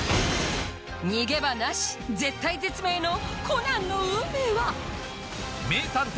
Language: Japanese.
逃げ場なし絶体絶命のコナンの運命は⁉